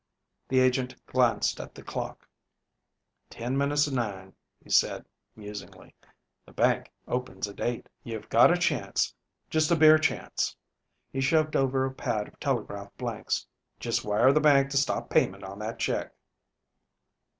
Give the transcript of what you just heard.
The agent glanced at the clock. "Ten minutes of nine," he said musingly. "The bank opens at eight. You have got a chance just a bare chance." He shoved over a pad of telegraph blanks. "Just wire the bank to stop payment on that check."